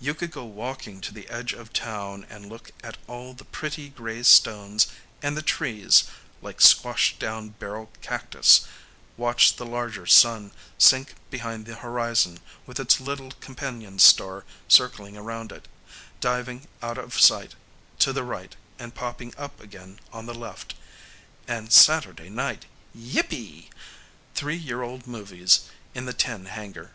You could go walking to the edge of town and look at all the pretty gray stones and the trees, like squashed down barrel cactus; watch the larger sun sink behind the horizon with its little companion star circling around it, diving out of sight to the right and popping up again on the left. And Saturday night yippee! three year old movies in the tin hangar.